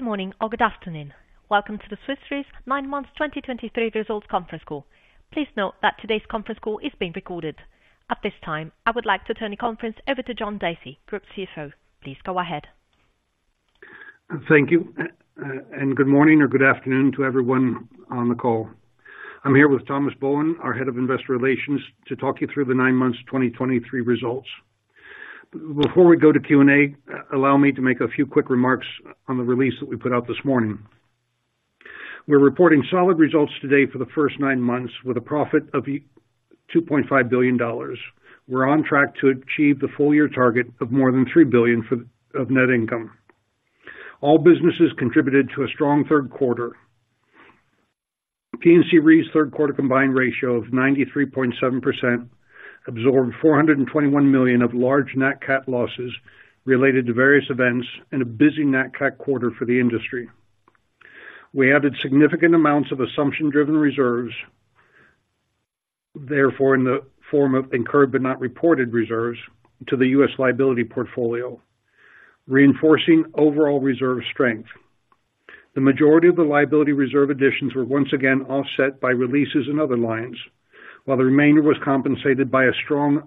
Good morning or good afternoon. Welcome to the Swiss Re's Nine Months 2023 Results Conference Call. Please note that today's conference call is being recorded. At this time, I would like to turn the conference over to John Dacey, Group CFO. Please go ahead. Thank you, and good morning or good afternoon to everyone on the call. I'm here with Thomas Bohun, our Head of Investor Relations, to talk you through the Nine Months 2023 Results. Before we go to Q&A, allow me to make a few quick remarks on the release that we put out this morning. We're reporting solid results today for the first nine months, with a profit of $2.5 billion. We're on track to achieve the full year target of more than $3 billion of net income. All businesses contributed to a strong third quarter. P&C Re's third quarter combined ratio of 93.7%, absorbed $421 million of large net cat losses related to various events and a busy net cat quarter for the industry. We added significant amounts of assumption-driven reserves, therefore, in the form of incurred but not reported reserves to the U.S. liability portfolio, reinforcing overall reserve strength. The majority of the liability reserve additions were once again offset by releases in other lines, while the remainder was compensated by a strong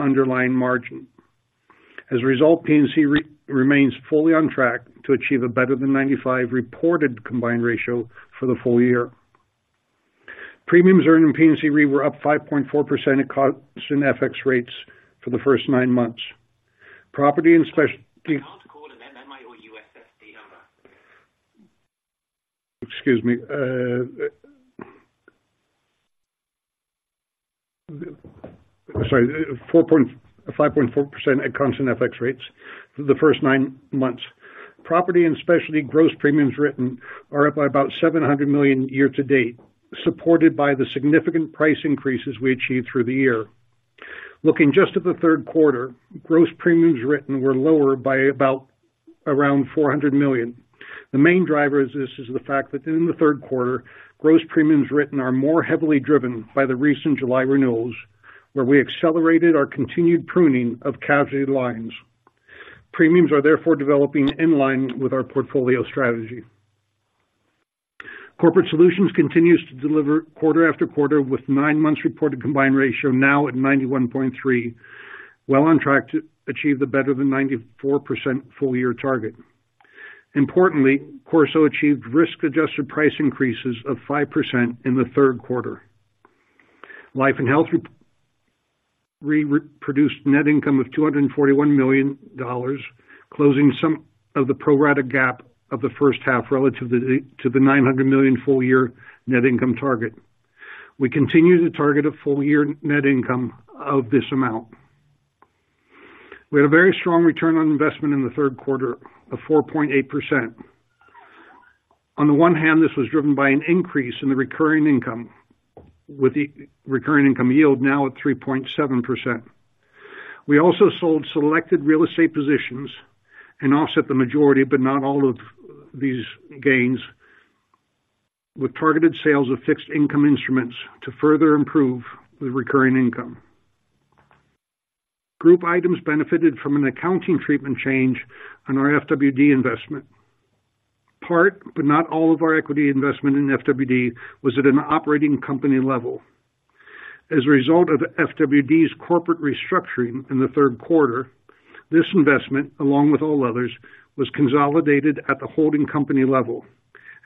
underlying margin. As a result, P&C Re remains fully on track to achieve a better than 95% reported combined ratio for the full year. Premiums earned in P&C Re were up 5.4% at constant FX rates for the first nine months. Property and Specialty- Excuse me. Sorry, 4.5%-4% at constant FX rates for the first nine months. Property and Specialty gross premiums written are up by about $700 million year-to-date, supported by the significant price increases we achieved through the year. Looking just at the third quarter, gross premiums written were lower by about around $400 million. The main driver is the fact that in the third quarter, gross premiums written are more heavily driven by the recent July renewals, where we accelerated our continued pruning of Casualty lines. Premiums are therefore developing in line with our portfolio strategy. Corporate Solutions continues to deliver quarter after quarter, with nine months reported combined ratio now at 91.3%, well on track to achieve the better than 94% full year target. Importantly, CorSo achieved risk-adjusted price increases of 5% in the third quarter. Life and Health Re produced net income of $241 million, closing some of the pro rata gap of the first half relative to the $900 million full year net income target. We continue to target a full year net income of this amount. We had a very strong return on investment in the third quarter of 4.8%. On the one hand, this was driven by an increase in the recurring income, with the recurring income yield now at 3.7%. We also sold selected real estate positions and offset the majority, but not all of these gains, with targeted sales of fixed income instruments to further improve the recurring income. Group items benefited from an accounting treatment change on our FWD investment. Part, but not all of our equity investment in FWD, was at an operating company level. As a result of FWD's corporate restructuring in the third quarter, this investment, along with all others, was consolidated at the holding company level,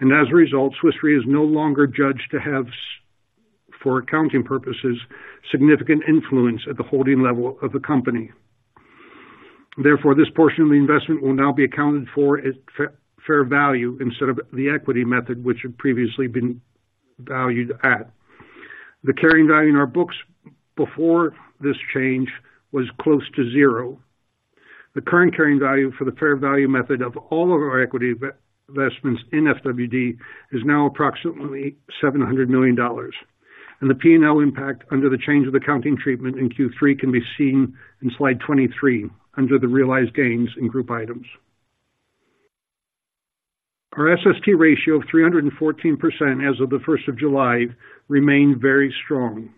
and as a result, Swiss Re is no longer judged to have, for accounting purposes, significant influence at the holding level of the company. Therefore, this portion of the investment will now be accounted for a fair value instead of the equity method, which had previously been valued at. The carrying value in our books before this change was close to zero. The current carrying value for the fair value method of all of our equity investments in FWD is now approximately $700 million, and the P&L impact under the change of the accounting treatment in Q3 can be seen in slide 23, under the realized gains in group items. Our SST ratio of 314% as of the first of July remained very strong.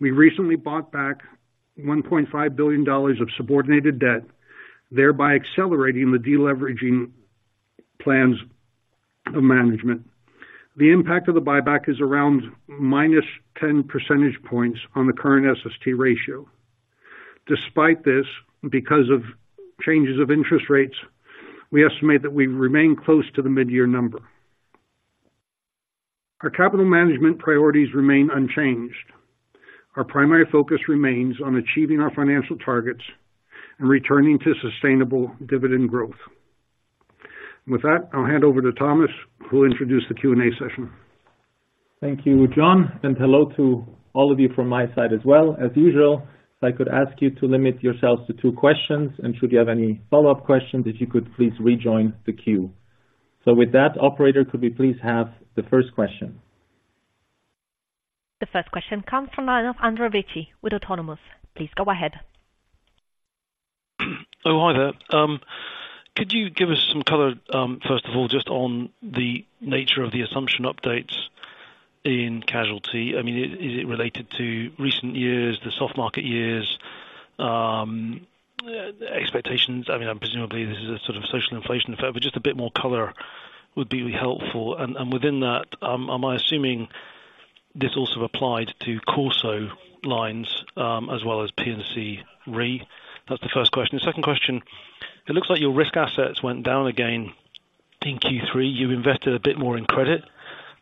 We recently bought back $1.5 billion of subordinated debt, thereby accelerating the deleveraging plans of management. The impact of the buyback is around -10 percentage points on the current SST ratio. Despite this, because of changes of interest rates, we estimate that we remain close to the mid-year number. Our capital management priorities remain unchanged. Our primary focus remains on achieving our financial targets and returning to sustainable dividend growth. With that, I'll hand over to Thomas, who will introduce the Q&A session. Thank you, John, and hello to all of you from my side as well. As usual, if I could ask you to limit yourselves to two questions, and should you have any follow-up questions, if you could please rejoin the queue. So with that, operator, could we please have the first question? The first question comes from the line of Andrew Crean with Autonomous. Please go ahead. Oh, hi there. Could you give us some color first of all, just on the nature of the assumption updates in casualty? I mean, is it related to recent years, the soft market years, expectations? I mean presumably, this is a sort of social inflation effect, but just a bit more color would be helpful. And within that, am I assuming this also applied to CorSo lines as well as P&C Re? That's the first question. The second question: It looks like your risk assets went down again in Q3. You invested a bit more in credit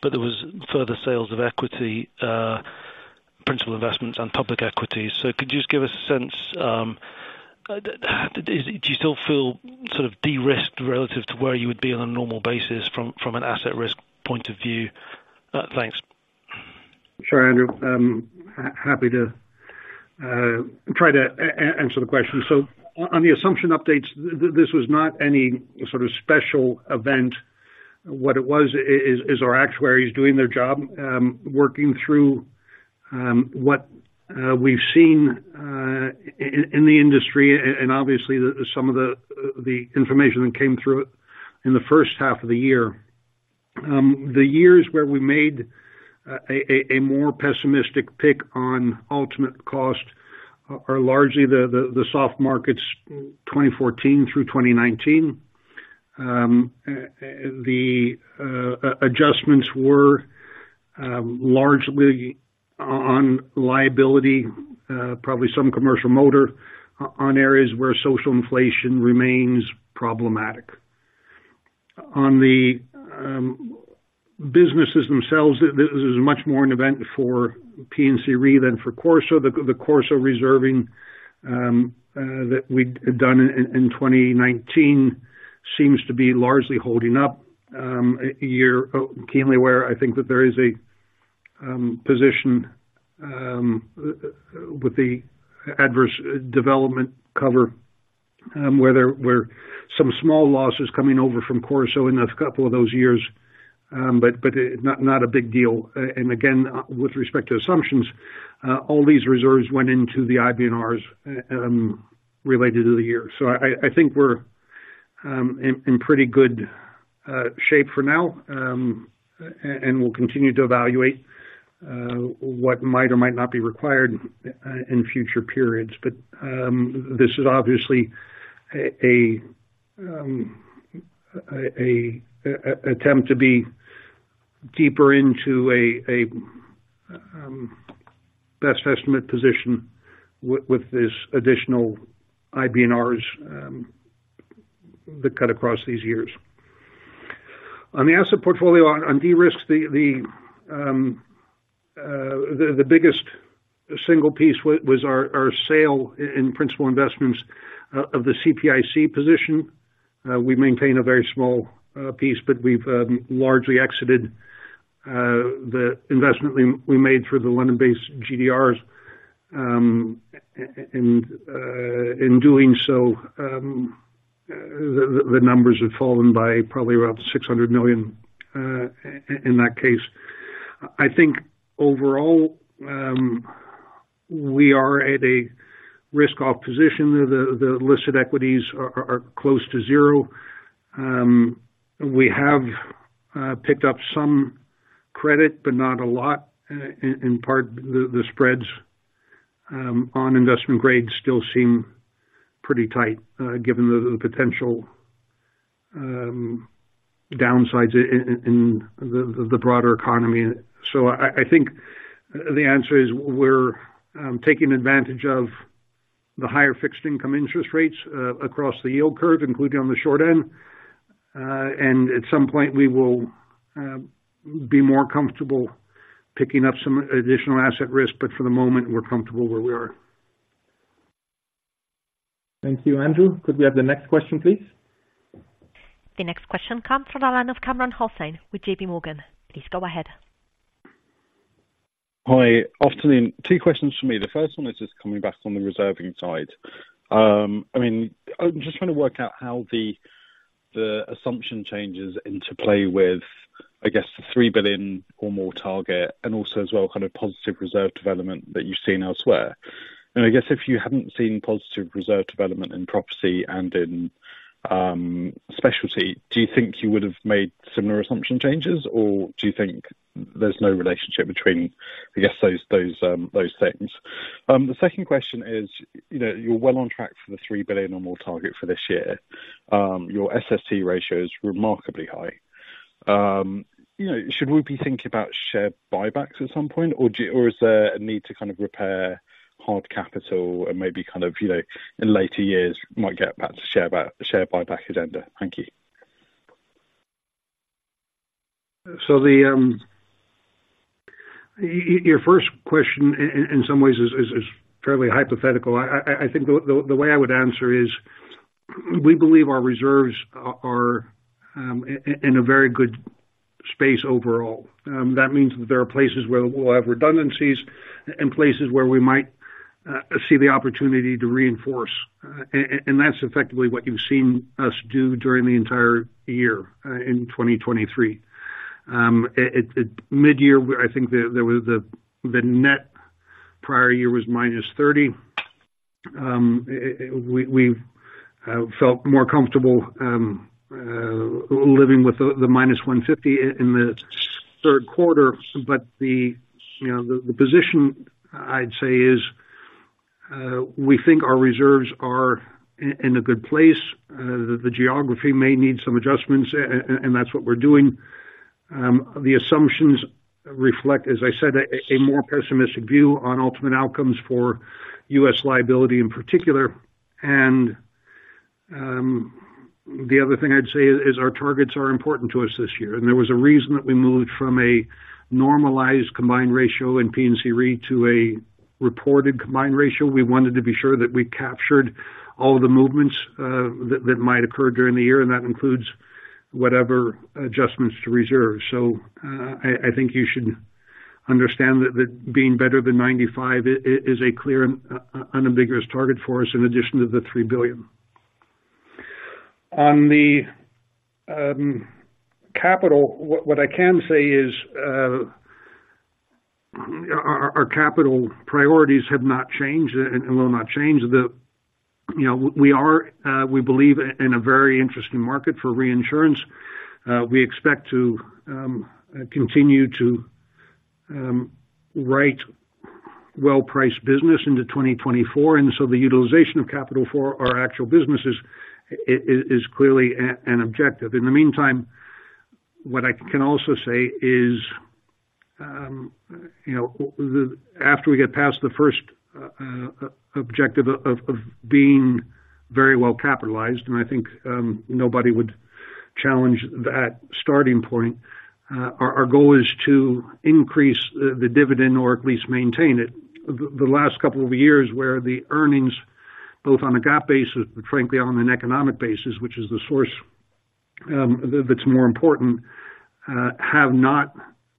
but there was further sales of equity, principal investments, and public equities. Could you just give us a sense, do you still feel sort of de-risked relative to where you would be on a normal basis from an asset risk point of view? Thanks. Sure, Andrew. Happy to try to answer the question. So on the assumption updates, this was not any sort of special event. What it was is our actuaries doing their job, working through what we've seen in the industry and obviously some of the information that came through in the first half of the year. The years where we made a more pessimistic pick on ultimate cost are largely the soft markets, 2014 through 2019. The adjustments were largely on liability, probably some commercial motor on areas where social inflation remains problematic. On the businesses themselves, this is much more an event for P&C Re than for CorSo. The CorSo reserving that we'd done in 2019 seems to be largely holding up. You're keenly aware I think, that there is a position with the adverse development cover where there were some small losses coming over from CorSo in a couple of those years, but not a big deal. And again, with respect to assumptions, all these reserves went into the IBNRs related to the year. So I think we're in pretty good shape for now and we'll continue to evaluate what might or might not be required in future periods. But this is obviously an attempt to be deeper into a best estimate position with this additional IBNRs that cut across these years. On the asset portfolio, on de-risk, the biggest single piece was our sale in principal investments of the CPIC position. We maintain a very small piece but we've largely exited the investment we made through the London-based GDRs. And in doing so, the numbers have fallen by probably around $600 million in that case. I think overall, we are at a risk-off position. The listed equities are close to zero. We have picked up some credit but not a lot. In part, the spreads on investment grade still seem pretty tight given the potential downsides in the broader economy. So I think the answer is we're taking advantage of the higher fixed income interest rates across the yield curve including on the short end. And at some point, we will be more comfortable picking up some additional asset risk but for the moment, we're comfortable where we are. Thank you, Andrew. Could we have the next question, please? The next question comes from the line of Kamran Hossain with JPMorgan. Please go ahead. Hi, afternoon. Two questions for me. The first one is just coming back on the reserving side. I mean, I'm just trying to work out how the assumption changes into play with, I guess, the $3 billion or more target, and also as well, kind of positive reserve development that you've seen elsewhere. And I guess if you hadn't seen positive reserve development in Property and in Specialty, do you think you would have made similar assumption changes or do you think there's no relationship between I guess, those things? The second question is you know, you're well on track for the $3 billion or more target for this year. Your SST ratio is remarkably high. You know, should we be thinking about share buybacks at some point or do you, or is there a need to kind of repair hard capital and maybe kind of you know, in later years might get back to share buyback agenda? Thank you. Your first question in some ways is fairly hypothetical. I think the way I would answer is: we believe our reserves are in a very good space overall. That means that there are places where we'll have redundancies and places where we might see the opportunity to reinforce. And that's effectively what you've seen us do during the entire year in 2023. At midyear, I think the net prior year was -30. We've felt more comfortable living with the -150 in the third quarter. But you know, the position I'd say is we think our reserves are in a good place. The geography may need some adjustments and that's what we're doing. The assumptions reflect as I said, a more pessimistic view on ultimate outcomes for U.S. liability in particular. The other thing I'd say is our targets are important to us this year. There was a reason that we moved from a normalized combined ratio in P&C Re to a reported combined ratio. We wanted to be sure that we captured all the movements that might occur during the year and that includes whatever adjustments to reserves. I think you should understand that being better than 95 is a clear and unambiguous target for us in addition to the $3 billion. On the capital, what I can say is our capital priorities have not changed and will not change. You know we are, we believe in a very interesting market for reinsurance. We expect to continue to write well-priced business into 2024 and so the utilization of capital for our actual businesses is clearly an objective. In the meantime, what I can also say is you know, after we get past the first objective of being very well capitalized and I think nobody would challenge that starting point, our goal is to increase the dividend or at least maintain it. The last couple of years where the earnings both on a GAAP basis but frankly on an economic basis, which is the source that's more important, have not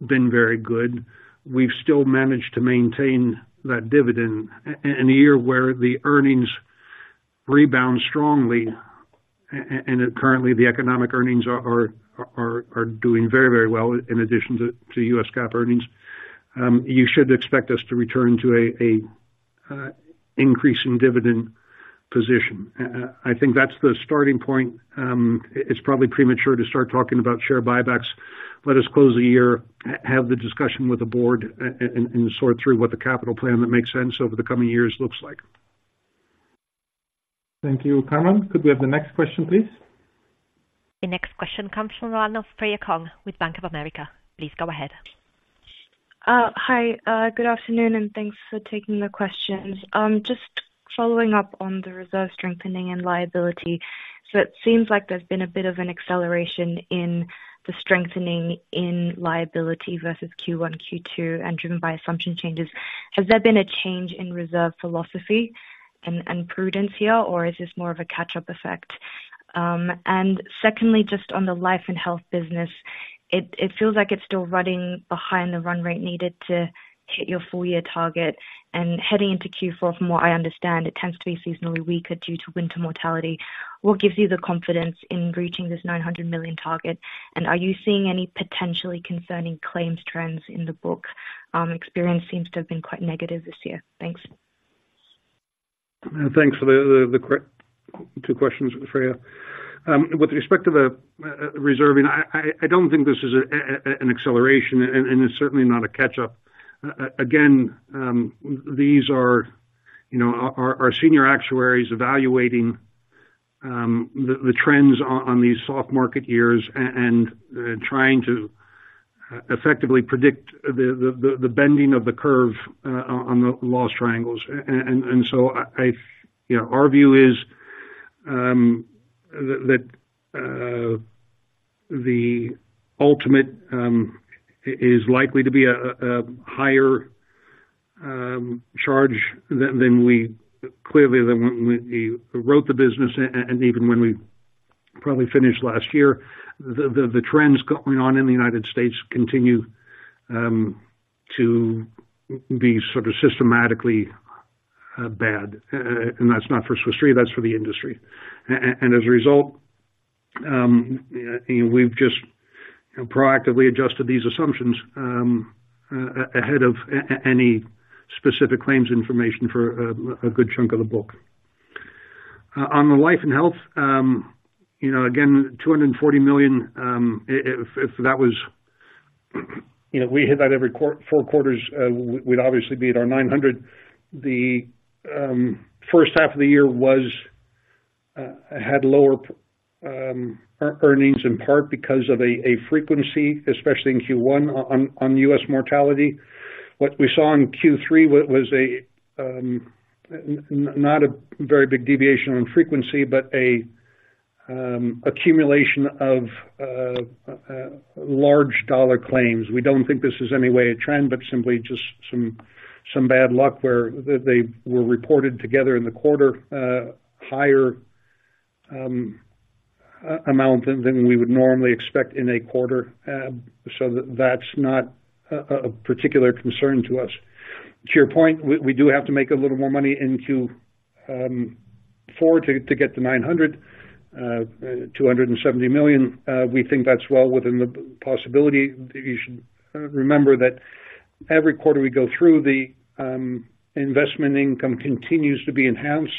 been very good, we’ve still managed to maintain that dividend. In a year where the earnings rebound strongly and currently the economic earnings are doing very, very well in addition to U.S. GAAP earnings, you should expect us to return to an increasing dividend position. I think that's the starting point. It's probably premature to start talking about share buybacks. Let us close the year, have the discussion with the board, and sort through what the capital plan that makes sense over the coming years looks like. Thank you, Cameron. Could we have the next question, please? The next question comes from Freya Kong with Bank of America. Please go ahead. Hi. Good afternoon, and thanks for taking the questions. Just following up on the reserve strengthening and liability. So it seems like there's been a bit of an acceleration in the strengthening in liability versus Q1, Q2, and driven by assumption changes. Has there been a change in reserve philosophy and prudence here, or is this more of a catch-up effect? And secondly, just on the Life and Health business, it feels like it's still running behind the run rate needed to hit your full-year target. And heading into Q4, from what I understand, it tends to be seasonally weaker due to winter mortality. What gives you the confidence in reaching this $900 million target? And are you seeing any potentially concerning claims trends in the book? Experience seems to have been quite negative this year. Thanks. Thanks for the two questions, Freya. With respect to the reserving, I don't think this is an acceleration and it's certainly not a catch-up. Again, these are you know, our senior actuaries evaluating the trends on these soft market years and trying to effectively predict the bending of the curve on the loss triangles. And so you know, our view is that the ultimate is likely to be a higher charge than we clearly than when we wrote the business and even when we probably finished last year. The trends going on in the United States continue to be sort of systematically bad. And that's not for Swiss Re, that's for the industry. And as a result, you know, we've just proactively adjusted these assumptions ahead of any specific claims information for a good chunk of the book. On the Life and Health, you know, again, $240 million, if that was... You know, if we hit that every four quarters, we'd obviously beat our $900 million. The first half of the year had lower earnings in part because of a frequency, especially in Q1 on U.S. mortality. What we saw in Q3 was not a very big deviation on frequency but an accumulation of large dollar claims. We don't think this is anyway a trend but simply just some bad luck where they were reported together in the quarter, higher amount than we would normally expect in a quarter. So that's not a particular concern to us. To your point, we do have to make a little more money in Q4 to get to $900 million, is $270 million. We think that's well within the possibility. You should remember that every quarter we go through, the investment income continues to be enhanced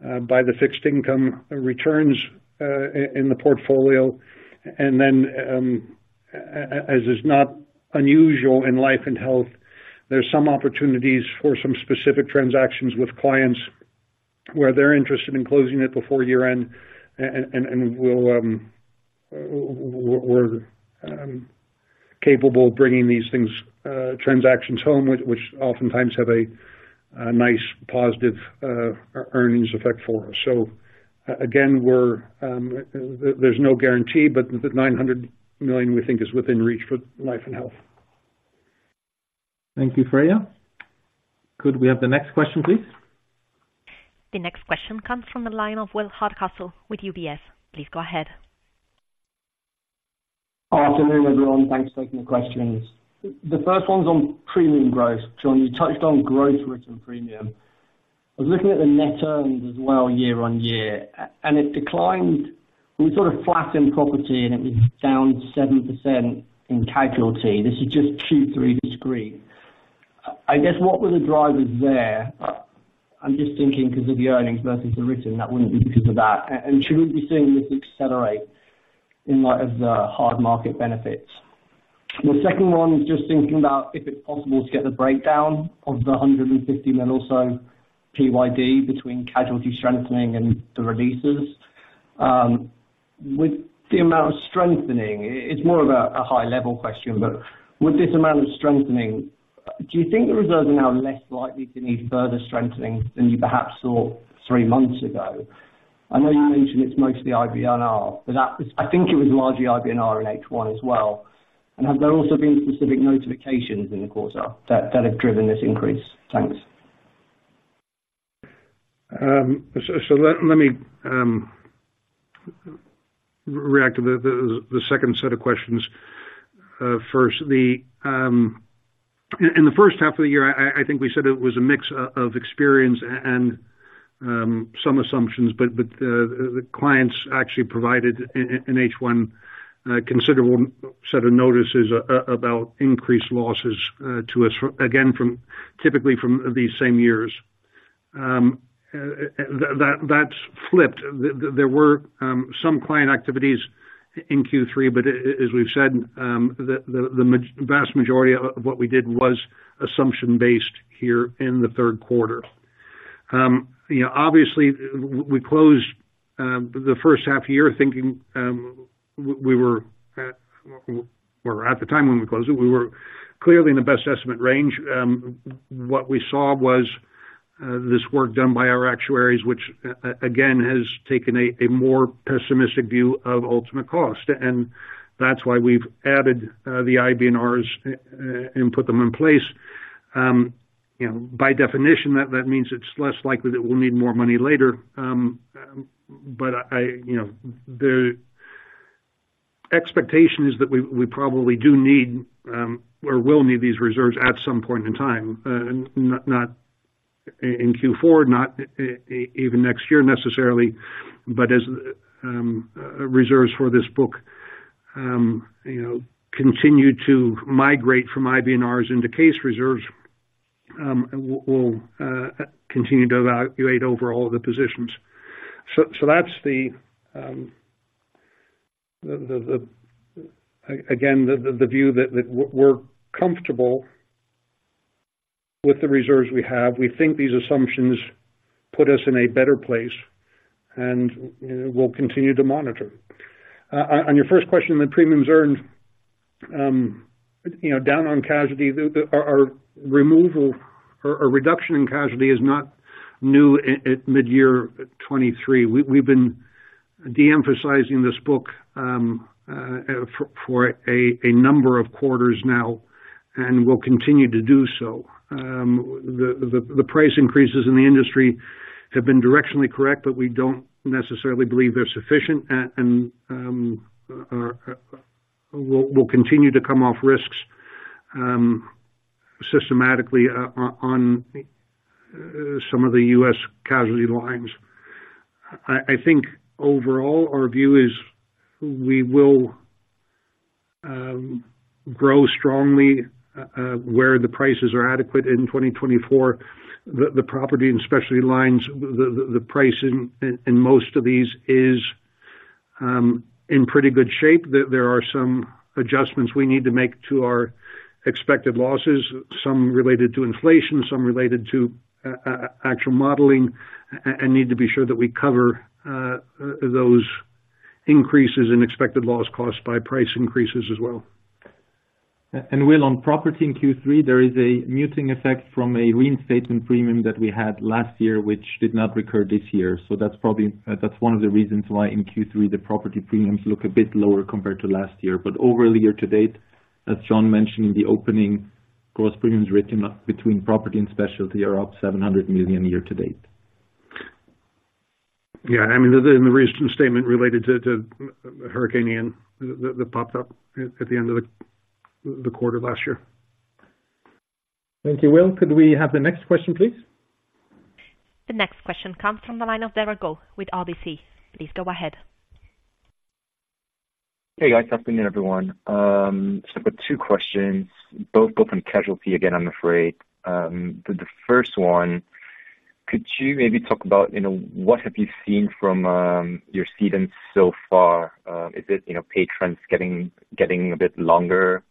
by the fixed income returns in the portfolio. And then, as is not unusual in Life and Health, there's some opportunities for some specific transactions with clients, where they're interested in closing it before year-end and we're capable of bringing these things, transactions home, which oftentimes have a nice positive earnings effect for us. So again, we're, there's no guarantee but the 900 million we think, is within reach for Life and Health. Thank you, Freya. Could we have the next question, please? The next question comes from the line of Will Hardcastle with UBS. Please go ahead. Afternoon, everyone. Thanks for taking the questions. The first one's on premium growth. John, you touched on growth written premium. I was looking at the net earnings as well, year-on-year, and it declined. It was sort of flat in Property, and it was down 7% in Casualty. This is just Q3 discrete. I guess, what were the drivers there? I'm just thinking, because of the earnings versus the written, that wouldn't be because of that. And should we be seeing this accelerate in light of the hard market benefits? The second one is just thinking about if it's possible to get the breakdown of the $150 million or so PYD between Casualty strengthening and the releases. With the amount of strengthening, it's more of a high level question, but with this amount of strengthening, do you think the reserves are now less likely to need further strengthening than you perhaps thought three months ago? I know you mentioned it's mostly IBNR, but that was, I think it was largely IBNR in H1 as well. And have there also been specific notifications in the quarter that have driven this increase? Thanks. So, let me react to the second set of questions first. In the first half of the year, I think we said it was a mix of experience and some assumptions but the clients actually provided in H1 a considerable set of notices about increased losses to us, again, from typically from these same years. That’s flipped, there were some client activities in Q3, but as we’ve said, the vast majority of what we did was assumption-based here in the third quarter. You know, obviously, we closed the first half year thinking we were at, or at the time when we closed it we were clearly in the best estimate range. What we saw was this work done by our actuaries, which again has taken a more pessimistic view of ultimate cost, and that's why we've added the IBNRs and put them in place. You know, by definition, that means it's less likely that we'll need more money later. But, you know, the expectation is that we probably do need or will need these reserves at some point in time, not in Q4. Not even next year necessarily, but as reserves for this book, you know, continue to migrate from IBNRs into case reserves, we'll continue to evaluate over all the positions. So that's the again the view that we're comfortable with the reserves we have. We think these assumptions put us in a better place and you know, we'll continue to monitor. On your first question, the premiums earned you know, down on casualty, our removal or reduction in casualty is not new at mid-year at 2023. We've been de-emphasizing this book for a number of quarters now and we'll continue to do so. The price increases in the industry have been directionally correct but we don't necessarily believe they're sufficient, and we'll continue to come off risks systematically on some of the U.S. Casualty lines. I think overall, our view is we will grow strongly where the prices are adequate in 2024. The Property and Specialty lines, the price in most of these is in pretty good shape. There are some adjustments we need to make to our expected losses; some related to inflation, some related to actual modeling and need to be sure that we cover those increases in expected loss costs by price increases as well. Will, on property in Q3, there is a muting effect from a reinstatement premium that we had last year which did not recur this year. So that's probably, that's one of the reasons why in Q3, the property premiums look a bit lower compared to last year. But over the year to date, as John mentioned in the opening, gross premiums written between Property and Specialty are up $700 million year-to-date. Yeah, I mean, the reinstatement related to Hurricane Ian, that popped up at the end of the quarter last year. Thank you, Will. Could we have the next question, please? The next question comes from the line of Derald Goh with RBC. Please go ahead. Hey, guys. Afternoon, everyone. So I've got two questions, both on casualty again, I'm afraid. The first one, could you maybe talk about, you know, what have you seen from your cedants so far? Is it, you know, pay trends getting a bit longer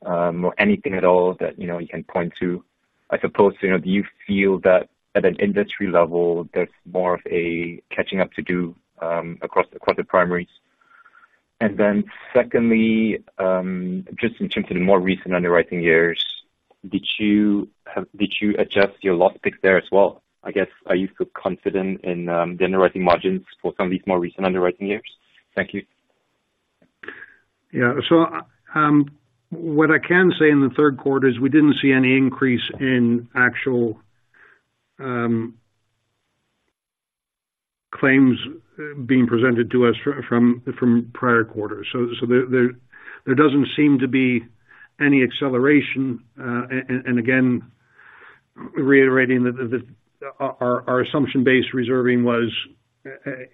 or anything at all that you know, you can point to? I suppose you know, do you feel that at an industry level, there's more of a catching up to do across the quarter primaries? And then secondly, just in terms of the more recent underwriting years, did you adjust your loss picks there as well? I guess, are you still confident in the underwriting margins for some of these more recent underwriting years? Thank you. Yeah. So, what I can say in the third quarter is we didn't see any increase in actual claims being presented to us from prior quarters. So there doesn't seem to be any acceleration. And again, reiterating that our assumption-based reserving was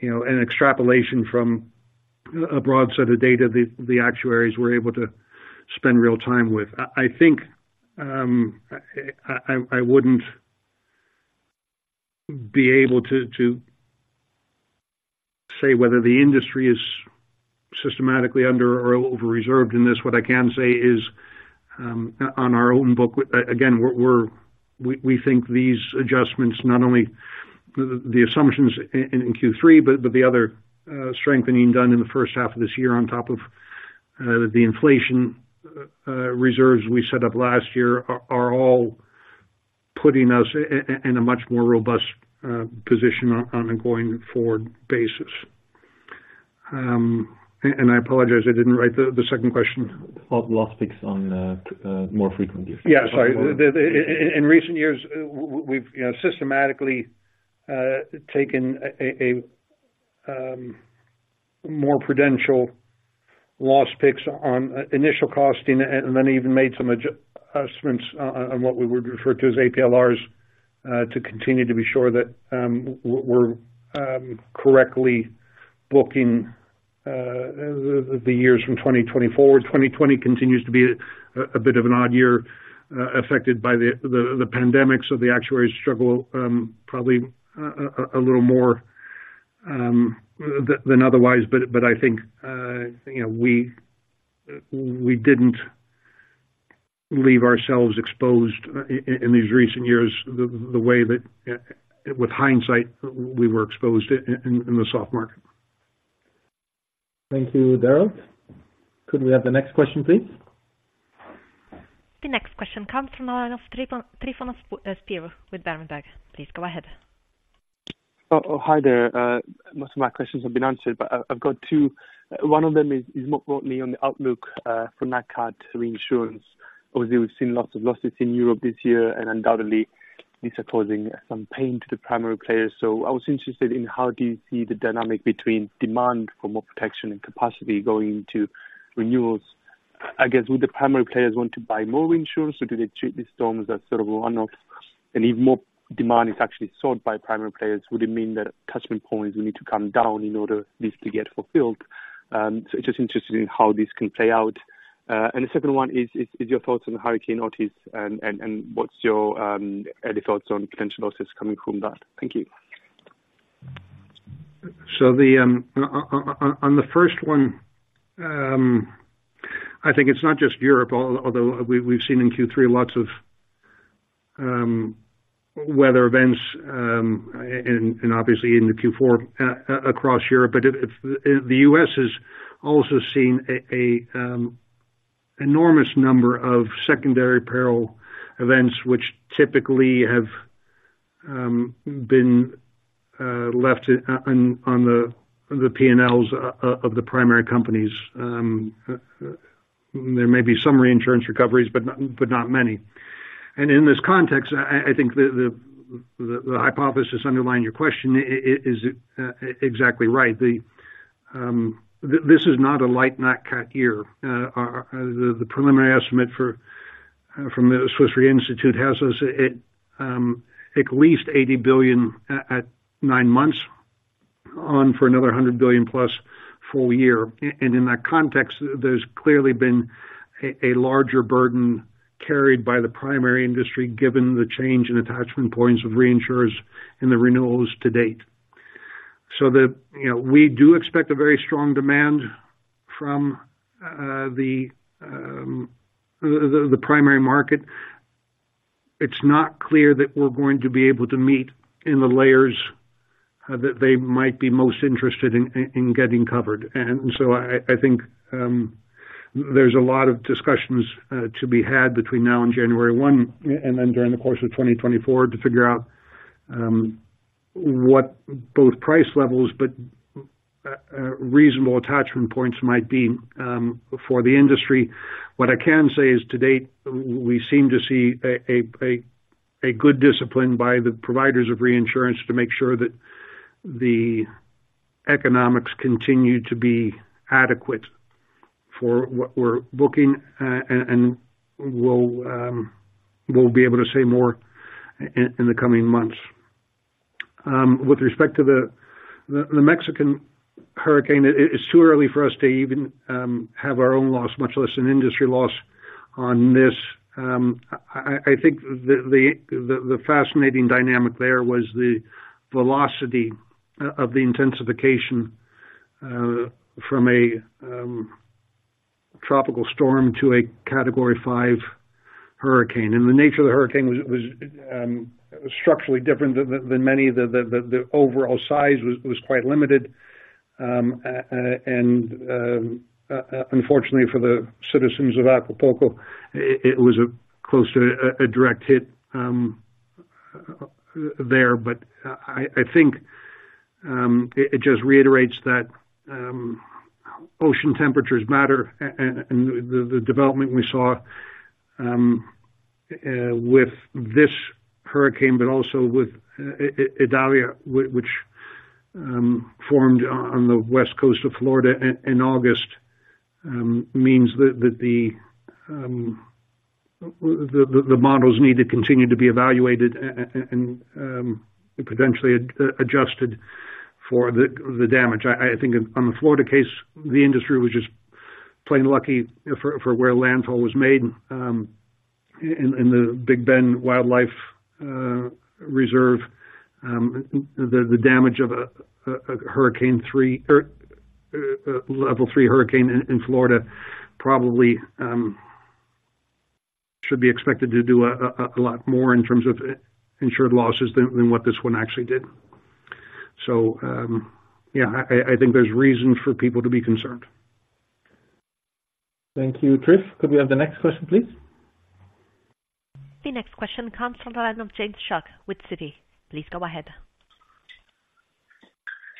you know, an extrapolation from a broad set of data the actuaries were able to spend real time with. I think I wouldn't be able to say whether the industry is systematically under or over-reserved in this. What I can say is, on our own book, again, we think these adjustments, not only the assumptions in Q3, but the other strengthening done in the first half of this year on top of the inflation reserves we set up last year are all putting us in a much more robust position on a going forward basis. And I apologize, I didn't write the second question. About loss picks on more frequently. Yeah, sorry. In recent years, we've systematically taken a more prudential loss picks on initial costing and then even made some adjustments on what we would refer to as APLRs to continue to be sure that we're correctly booking the years from 2020 forward. 2020 continues to be a bit of an odd year affected by the pandemic so the actuaries struggle probably a little more than otherwise. But I think, we didn't leave ourselves exposed in these recent years the way that with hindsight we were exposed in the soft market. Thank you, Daryl. Could we have the next question, please? The next question comes from the line of Michael Christodoulou with Berenberg. Please, go ahead. Hi there. Most of my questions have been answered, but I've got two. One of them is more importantly on the outlook from that cat reinsurance. Obviously, we've seen lots of losses in Europe this year and undoubtedly these are causing some pain to the primary players. So I was interested in how do you see the dynamic between demand for more protection and capacity going to renewals? I guess, would the primary players want to buy more reinsurance or do they treat the storms as sort of a one-off? And if more demand is actually sought by primary players, would it mean that attachment points will need to come down in order this to get fulfilled? So just interested in how this can play out. And the second one is your thoughts on Hurricane Otis and what's your any thoughts on potential losses coming from that? Thank you. So on the first one, I think it's not just Europe although we've seen in Q3 lots of weather events and obviously in the Q4 across Europe. But the U.S. has also seen an enormous number of secondary peril events which typically have been left on the P&Ls of the primary companies. There may be some reinsurance recoveries but not many. And in this context, I think the hypothesis underlying your question is exactly right, this is not a light nat cat year. The preliminary estimate from the Swiss Re Institute has us at least $80 billion at nine months on for another $100 billion plus full year. And in that context, there's clearly been a larger burden carried by the primary industry given the change in attachment points of reinsurers and the renewals to date. So... You know, we do expect a very strong demand from the primary market. It's not clear that we're going to be able to meet in the layers that they might be most interested in getting covered. And so I think there's a lot of discussions to be had between now and January 1, and then during the course of 2024 to figure out what both price levels but reasonable attachment points might be for the industry. What I can say is to date, we seem to see a good discipline by the providers of reinsurance to make sure that the economics continue to be adequate for what we're booking and we'll be able to say more in the coming months. With respect to the Mexican hurricane, it's too early for us to even have our own loss, much less an industry loss on this. I think the fascinating dynamic there was the velocity of the intensification from a tropical storm to a Category 5 hurricane. And the nature of the hurricane was structurally different than many. The overall size was quite limited. Unfortunately for the citizens of Acapulco, it was close to a direct hit there. But I think, it just reiterates that ocean temperatures matter and the development we saw with this hurricane, but also with Idalia which formed on the west coast of Florida in August means that the models need to continue to be evaluated and potentially adjusted for the damage. I think on the Florida case, the industry was just plain lucky for where landfall was made in the Big Bend Wildlife Reserve. The damage of a hurricane three or level 3 hurricane in Florida probably should be expected to do a lot more in terms of insured losses than what this one actually did. So yeah, I think there's reason for people to be concerned. Thank you, Chris. Could we have the next question, please? The next question comes from the line of James Shuck with Citi. Please go ahead.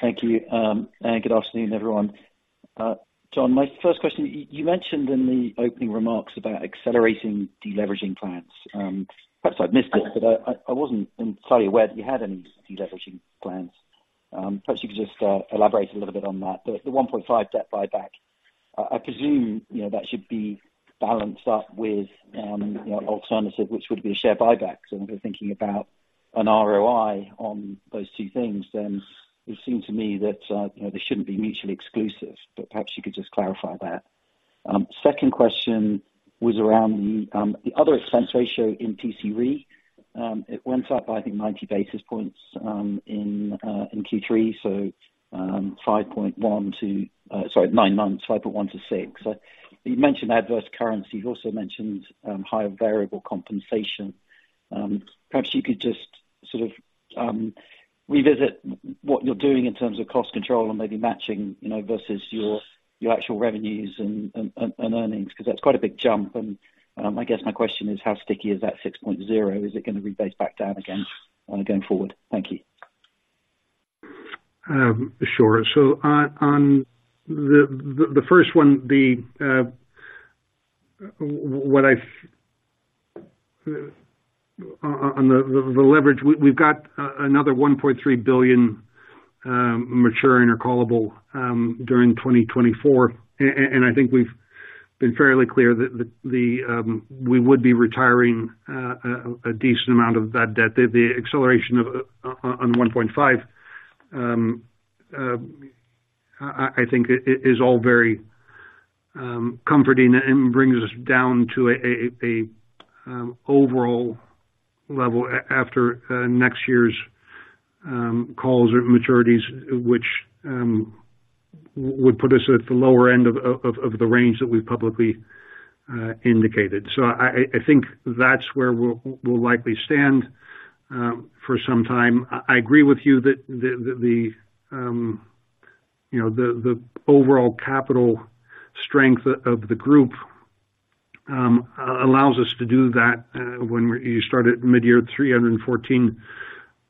Thank you, and good afternoon everyone. John, my first question, you mentioned in the opening remarks about accelerating deleveraging plans. Perhaps I've missed it, but I wasn't entirely aware that you had any deleveraging plans. Perhaps you could just elaborate a little bit on that. The 1.5 debt buyback, I presume, you know, that should be balanced up with alternative which would be share buybacks. And if we're thinking about an ROI on those two things, then it seems to me that they shouldn't be mutually exclusive, but perhaps you could just clarify that. Second question was around the other expense ratio in P&C Re. It went up, I think, 90 basis points in Q3, so 5.1 to... Sorry, nine months, 5.1-6. You mentioned adverse currency. You also mentioned higher variable compensation. Perhaps you could just sort of revisit what you're doing in terms of cost control and maybe matching, you know, versus your actual revenues and earnings because that's quite a big jump. And I guess my question is: How sticky is that 6.0? Is it going to rebase back down again going forward? Thank you. Sure. So on the first one, on the leverage, we've got another $1.3 billion maturing or callable during 2024 and I think we've been fairly clear that we would be retiring a decent amount of that debt. The acceleration on $1.5 billion, I think, is all very comforting and brings us down to a overall level after next year's calls or maturities which would put us at the lower end of the range that we've publicly indicated. So I think that's where we'll likely stand for some time. I agree with you that you know the overall capital strength of the group allows us to do that. When we started midyear 314%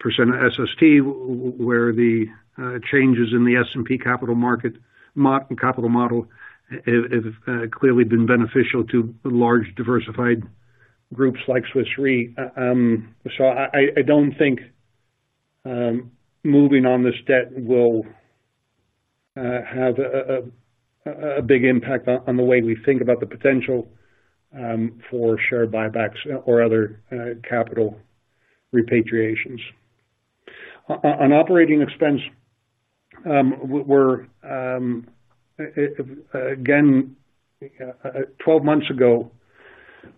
of SST, where the changes in the S&P capital model have clearly been beneficial to large diversified groups like Swiss Re. So I don't think moving on this debt will have a big impact on the way we think about the potential for share buybacks or other capital repatriations. On operating expense, we're again 12 months ago,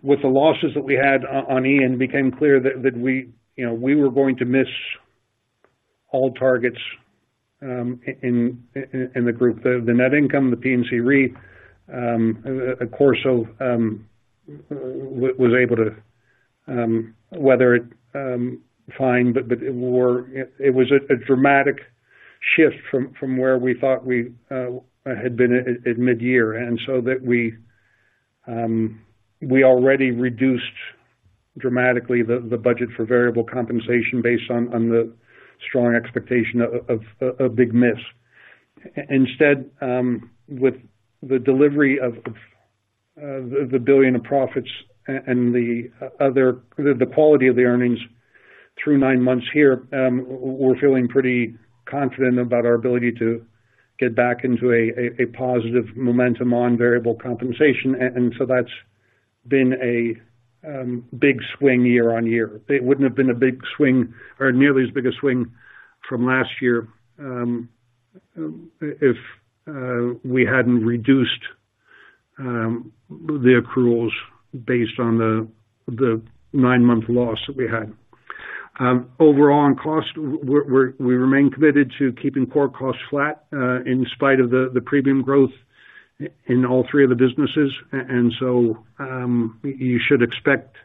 with the losses that we had on Ian, it became clear that we you know we were going to miss all targets in the group. The net income, the P&C Re, of course was able to weather it fine but it was a dramatic shift from where we thought we had been at midyear. And so we already reduced dramatically the budget for variable compensation based on the strong expectation of a big miss. Instead, with the delivery of the $1 billion of profits and the quality of the earnings through nine months here, we're feeling pretty confident about our ability to get back into a positive momentum on variable compensation. And so that's been a big swing year-over-year. It wouldn't have been a big swing or nearly as big a swing from last year if we hadn't reduced the accruals based on the nine-month loss that we had. Overall on cost, we remain committed to keeping core costs flat in spite of the premium growth in all three of the businesses. And so, you should expect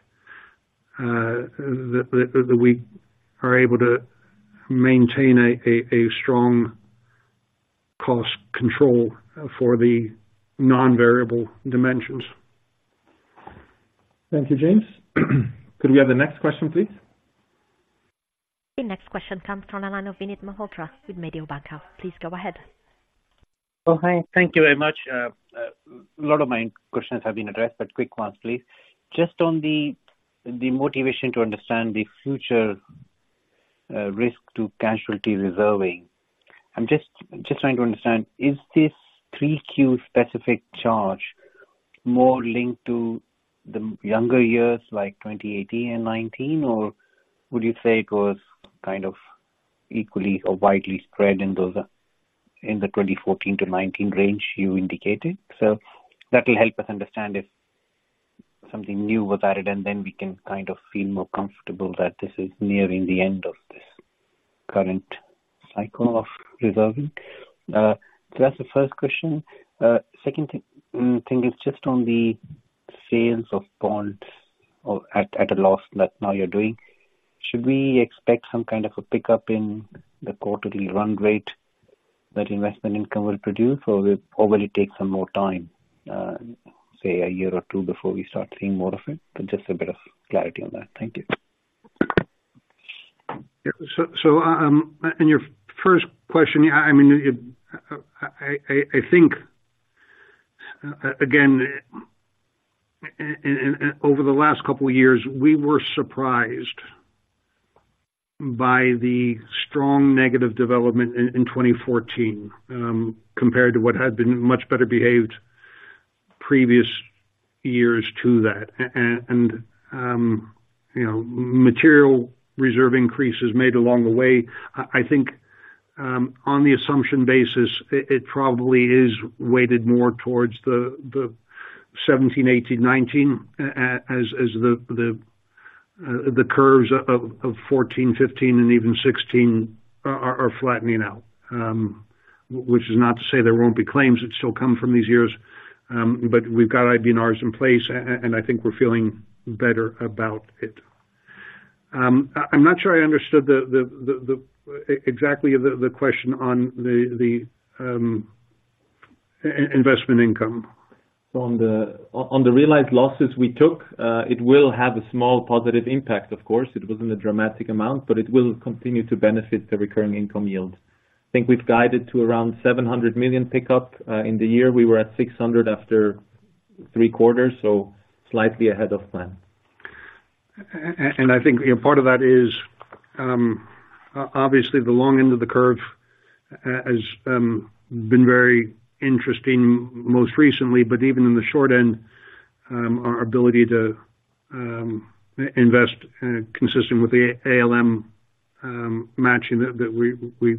that we are able to maintain a strong cost control for the non-variable dimensions. Thank you, James. Could we have the next question, please? The next question comes from the line of Vinit Malhotra with Mediobanca. Please go ahead. Oh, hi. Thank you very much. A lot of my questions have been addressed but quick ones, please. Just on the motivation to understand the future risk to casualty reserving, I'm just trying to understand, is this 3Q specific charge more linked to the younger years like 2018 and 2019? Or would you say it was kind of equally or widely spread in those in the 2014 to 2019 range you indicated? So that will help us understand if something new was added, and then we can kind of feel more comfortable that this is nearing the end of this current cycle of reserving. So that's the first question. Second thing is just on the sales of bonds or at a loss that now you're doing, should we expect some kind of a pickup in the quarterly run rate that investment income will produce or will probably take some more time, say a year or two before we start seeing more of it? Just a bit of clarity on that. Thank you. Yeah. So, on your first question, I mean it, I think, again, and over the last couple of years, we were surprised by the strong negative development in 2014 compared to what had been much better behaved previous years to that. And, you know, material reserve increases made along the way. I think, on the assumption basis, it probably is weighted more towards the 2017, 2018, 2019 as the curves of 2014, 2015, and even 2016 are flattening out. Which is not to say there won't be claims that still come from these years but we've got IBNRs in place and I think we're feeling better about it. I'm not sure I understood exactly the question on the investment income. On the, on the realized losses we took, it will have a small positive impact of course. It wasn't a dramatic amount but it will continue to benefit the recurring income yield. I think we've guided to around $700 million pickup in the year. We were at $600 after three quarters so slightly ahead of plan. And I think, you know, part of that is, obviously the long end of the curve has been very interesting most recently but even in the short end our ability to invest consistent with the ALM, matching that we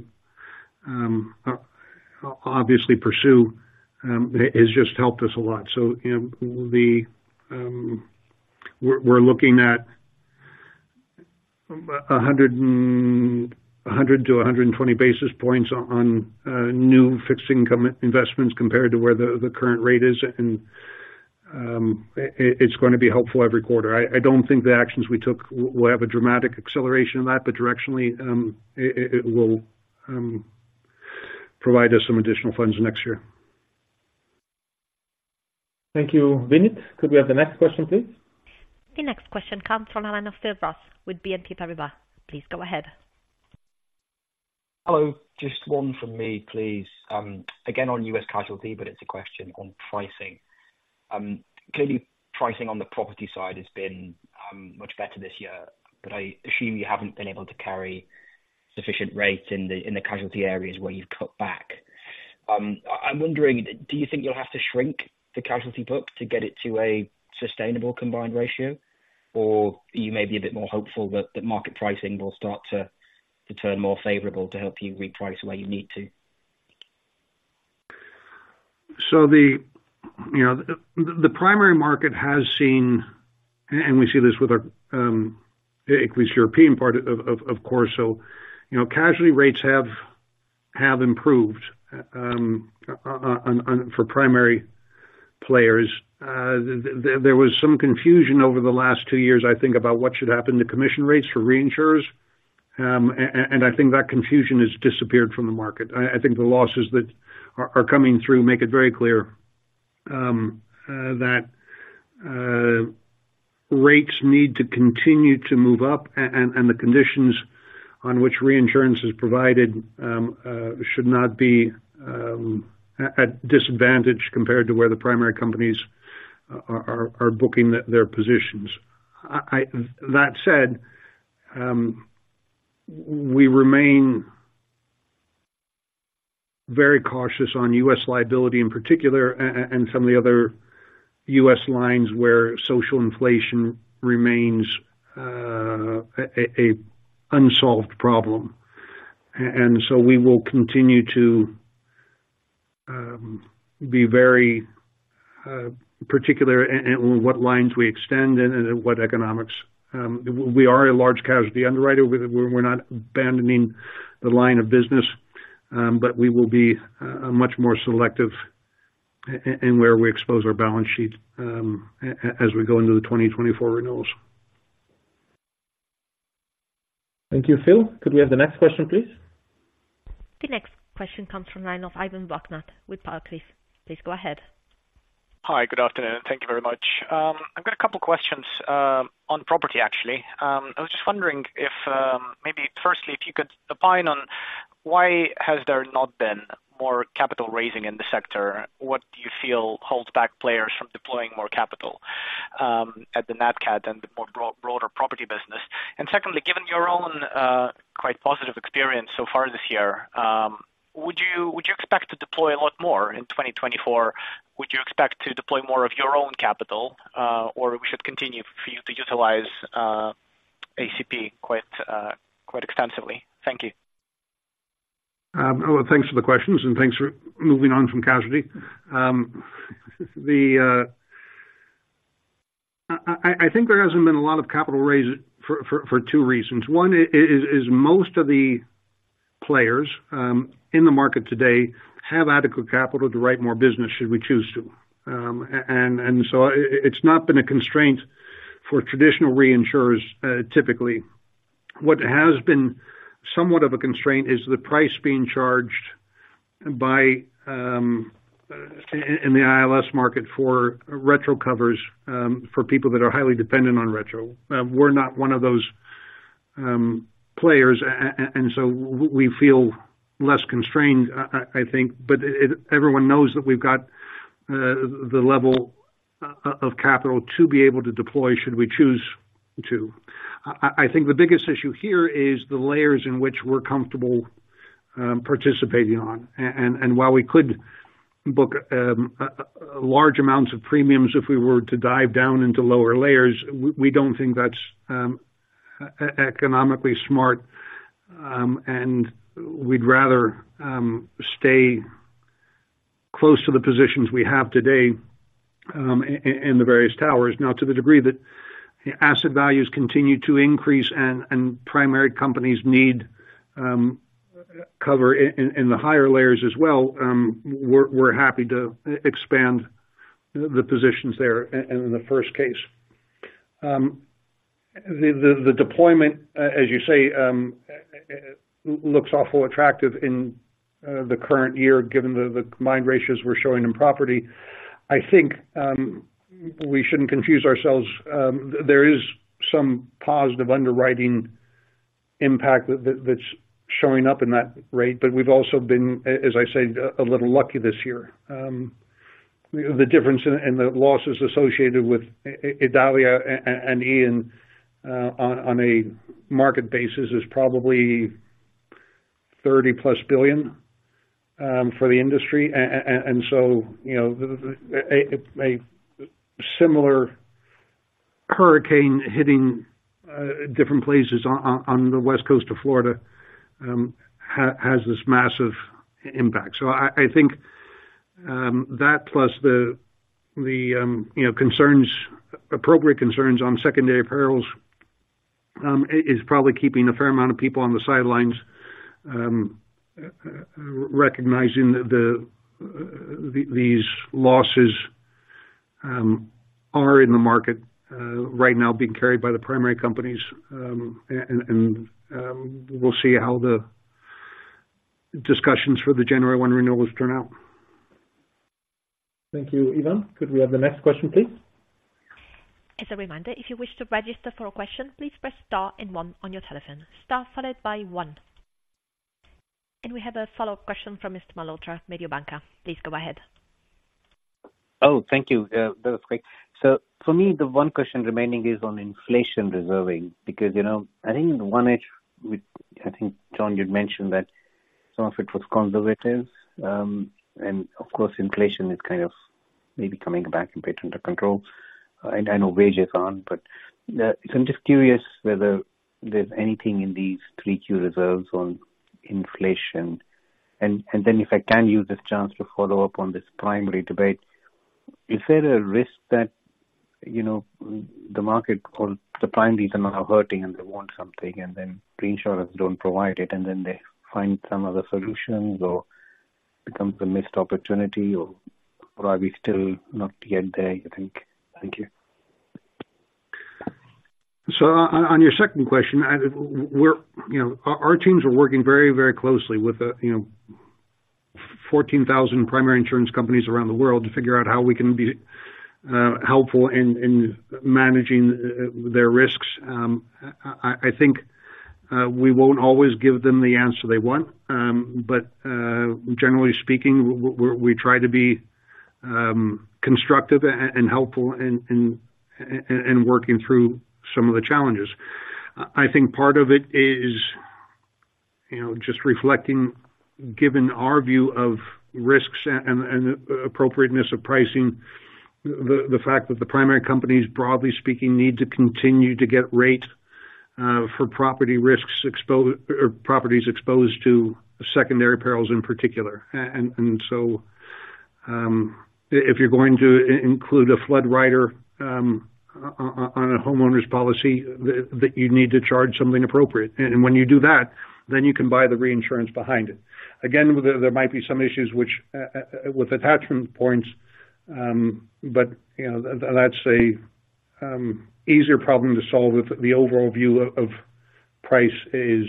obviously pursue has just helped us a lot. So, you know, we're looking at 100-120 basis points on new fixed income investments compared to where the current rate is, and it's going to be helpful every quarter. I don't think the actions we took will have a dramatic acceleration of that but directionally, it will provide us some additional funds next year. Thank you, Vinit. Could we have the next question, please? The next question comes from the line of Iain Pearce with BNP Paribas. Please go ahead. Hello. Just one from me, please. Again, on U.S. Casualty, but it's a question on pricing. Clearly, pricing on the property side has been much better this year but I assume you haven't been able to carry sufficient rate in the casualty areas where you've cut back. I'm wondering, do you think you'll have to shrink the casualty book to get it to a sustainable combined ratio? Or you may be a bit more hopeful that the market pricing will start to turn more favorable to help you reprice where you need to. So, you know, the primary market has seen and we see this with our excess European part of course, so you know, casualty rates have improved on for primary players. There was some confusion over the last two years I think, about what should happen to commission rates for reinsurers. And I think that confusion has disappeared from the market. I think the losses that are coming through make it very clear that rates need to continue to move up and the conditions on which reinsurance is provided should not be at a disadvantage compared to where the primary companies are booking their positions. That said, we remain very cautious on U.S. liability in particular, and some of the other U.S. lines where social inflation remains an unsolved problem. And so we will continue to be very particular in what lines we extend and in what economics. We are a large casualty underwriter. We're not abandoning the line of business but we will be much more selective in where we expose our balance sheets as we go into the 2024 renewals. Thank you, Phil. Could we have the next question, please? The next question comes from the line of Ivan Bokhmat with Barclays. Please go ahead. Hi, good afternoon. Thank you very much. I've got a couple questions on property actually. I was just wondering if maybe firstly, if you could opine on why has there not been more capital raising in the sector? What do you feel holds back players from deploying more capital at the nat cat and the more broader property business? And secondly, given your own quite positive experience so far this year, would you, would you expect to deploy a lot more in 2024? Would you expect to deploy more of your own capital or we should continue for you to utilize ACP quite, quite extensively? Thank you. Well, thanks for the questions, and thanks for moving on from Casualty. I think there hasn't been a lot of capital raise for two reasons. One is, most of the players in the market today have adequate capital to write more business should we choose to. And so it's not been a constraint for traditional reinsurers typically. What has been somewhat of a constraint is the price being charged by in the ILS market for retro covers, for people that are highly dependent on retro. We're not one of those players and so we feel less constrained, I think. But everyone knows that we've got the level of capital to be able to deploy should we choose to. I think the biggest issue here is the layers in which we're comfortable participating on. And while we could book large amounts of premiums if we were to dive down into lower layers, we don't think that's economically smart and we'd rather stay close to the positions we have today in the various towers. Now, to the degree that asset values continue to increase and primary companies need cover in the higher layers as well, we're happy to expand the positions there in the first case. The deployment as you say, looks awful attractive in the current year given the combined ratios we're showing in property. I think we shouldn't confuse ourselves. There is some positive underwriting impact that that's showing up in that rate but we've also been, as I said a little lucky this year. The difference in the losses associated with Idalia and Ian on a market basis is probably $30+ billion for the industry. And so you know, a similar hurricane hitting different places on the West Coast of Florida has this massive impact. So I think that plus the you know, concerns, appropriate concerns on secondary perils is probably keeping a fair amount of people on the sidelines, recognizing that these losses are in the market right now being carried by the primary companies. And we'll see how the discussions for the January one renewals turn out. Thank you, Ivan. Could we have the next question, please? As a reminder, if you wish to register for a question, please press star and one on your telephone. Star followed by one. We have a follow-up question from Mr. Malhotra, Mediobanca. Please go ahead. Oh, thank you. That was quick. So for me, the one question remaining is on inflation reserving because you know, I think on one edge I think, John, you'd mentioned that some of it was conservative. And of course, inflation is kind of maybe coming back a bit under control and I know wages aren't. But so I'm just curious whether there's anything in these three key reserves on inflation. And then if I can use this chance to follow up on this primary debate, is there a risk that you know, the market or the primaries are now hurting and they want something and then reinsurers don't provide it, and then they find some other solutions or becomes a missed opportunity or are we still not yet there you think? Thank you. So on your second question, we're you know, our teams are working very, very closely with the you know, 14,000 primary insurance companies around the world to figure out how we can be helpful in managing their risks. I think we won't always give them the answer they want but generally speaking, we try to be constructive and helpful in working through some of the challenges. I think part of it is you know, just reflecting, given our view of risks and appropriateness of pricing, the fact that the primary companies broadly speaking, need to continue to get rate for property risks or properties exposed to secondary perils in particular. And so, if you're going to include a flood rider on a homeowner's policy, that you need to charge something appropriate. And when you do that, then you can buy the reinsurance behind it. Again, there might be some issues with attachment points but you know, that's an easier problem to solve if the overall view of price is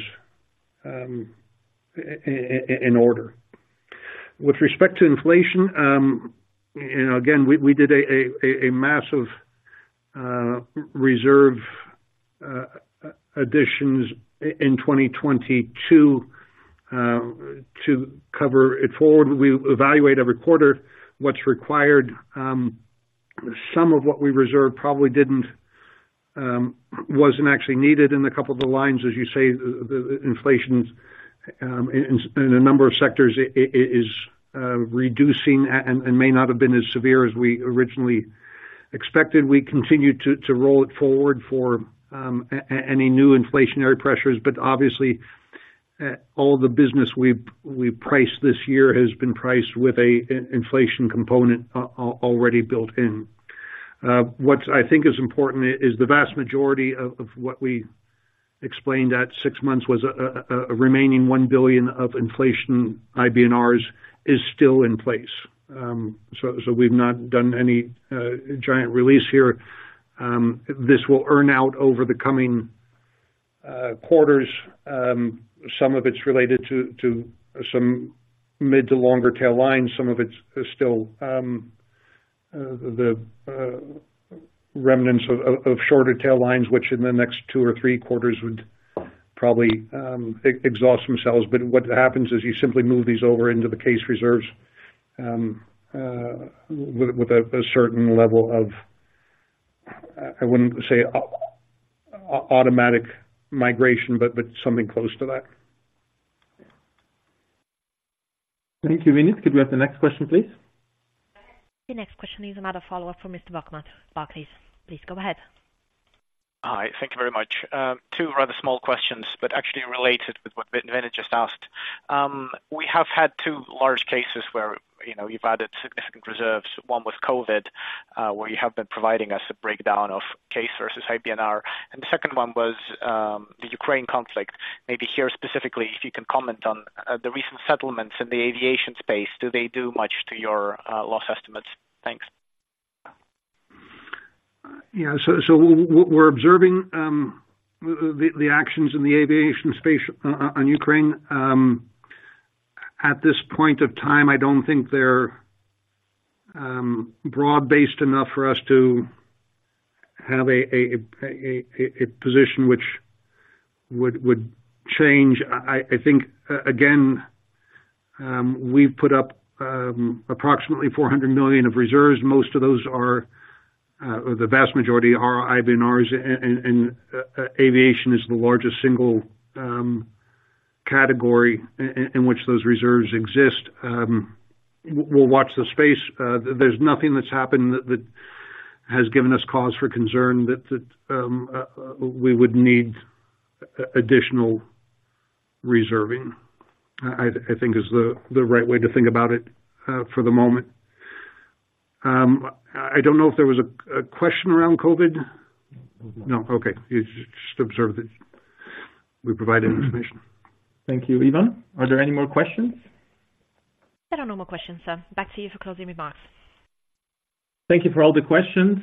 in order. With respect to inflation you know again, we did a massive reserve additions in 2022 to cover it forward. We evaluate every quarter what's required. Some of what we reserved probably didn't, wasn't actually needed in a couple of the lines. As you say, the inflation in a number of sectors is reducing and may not have been as severe as we originally expected. We continue to roll it forward for any new inflationary pressures but obviously, all the business we've priced this year has been priced with an inflation component already built in. What I think is important is the vast majority of what we explained at six months was a remaining $1 billion of inflation IBNRs is still in place. So we've not done any giant release here. This will earn out over the coming quarters. Some of it's related to some mid to longer-tail lines. Some of it is still the remnants of shorter tail lines which in the next two or three quarters would probably exhaust themselves. But what happens is you simply move these over into the case reserves with a certain level of, I wouldn't say automatic migration but something close to that. Thank you, Vinit. Could we have the next question, please? The next question is another follow-up from Mr. Bokhmat at Barclays. Please go ahead. Hi, thank you very much. Two rather small questions but actually related with what Vinit just asked. We have had two large cases where you know, you've added significant reserves. One was COVID where you have been providing us a breakdown of case versus IBNR, and the second one was the Ukraine conflict. Maybe here specifically, if you can comment on the recent settlements in the aviation space, do they do much to your loss estimates? Thanks. Yeah, so we're observing the actions in the aviation space on Ukraine. At this point of time, I don't think they're broad-based enough for us to have a position which would change. I think again, we've put up approximately $400 million of reserves. Most of those are, or the vast majority are IBNRs and aviation is the largest single category in which those reserves exist. We'll watch the space. There's nothing that's happened that has given us cause for concern that we would need additional reserving. I think is the right way to think about it for the moment. I don't know if there was a question around COVID? No. No. Okay. It's just observe that we provided information. Thank you, Ivan. Are there any more questions? There are no more questions, sir. Back to you for closing remarks. Thank you for all the questions.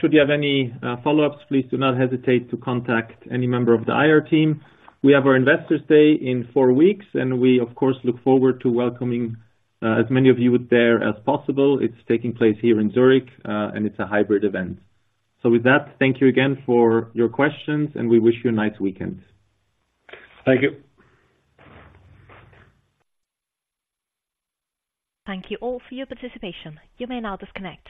Should you have any follow-ups, please do not hesitate to contact any member of the IR team. We have our Investors Day in four weeks and we of course, look forward to welcoming as many of you there as possible. It's taking place here in Zurich and it's a hybrid event. So with that, thank you again for your questions and we wish you a nice weekend. Thank you. Thank you all for your participation. You may now disconnect.